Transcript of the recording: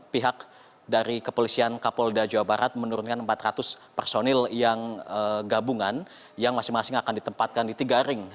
pihak dari kepolisian kapolda jawa barat menurunkan empat ratus personil yang gabungan yang masing masing akan ditempatkan di tiga ring